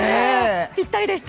ぴったりでした。